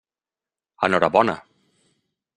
Enhorabona.